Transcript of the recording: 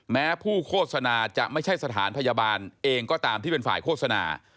แม้ผู้โฆษณาจะไม่ใช่สถานพยาบาลเองก็ตามที่เป็นฝ่ายโฆษณา